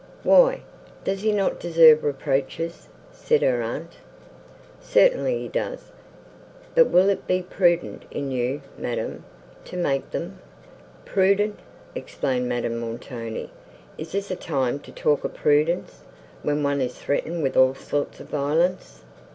"Why, does he not deserve reproaches?" said her aunt. "Certainly he does; but will it be prudent in you, madam, to make them?" "Prudent!" exclaimed Madame Montoni. "Is this a time to talk of prudence, when one is threatened with all sorts of violence?"